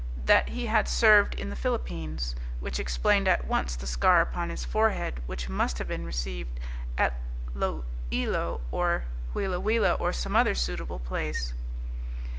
that he had served in the Philippines; which explained at once the scar upon his forehead, which must have been received at Iloilo, or Huila Huila, or some other suitable place.